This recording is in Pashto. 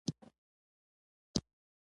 یووالی د اسلام امر دی